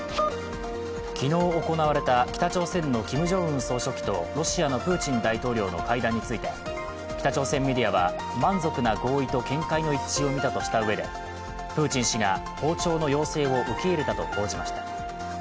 昨日行われた北朝鮮のキム・ジョンウン総書記とロシアのプーチン大統領の会談について北朝鮮メディアは満足な合意と見解の一致を見たとしたうえでプーチン氏が訪朝の要請を受け入れたと報じました。